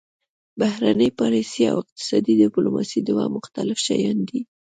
بهرنۍ پالیسي او اقتصادي ډیپلوماسي دوه مختلف شیان دي